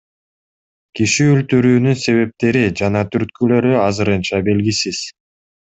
Киши өлтүрүүнүн себептери жана түрткүлөрү азырынча белгисиз.